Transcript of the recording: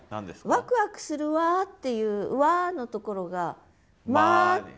「わくわくするわー」っていう「わー」のところが「まー」って。